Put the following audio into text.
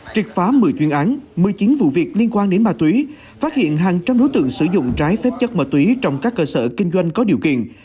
triệt phá một mươi chuyên án một mươi chín vụ việc liên quan đến ma túy phát hiện hàng trăm đối tượng sử dụng trái phép chất ma túy trong các cơ sở kinh doanh có điều kiện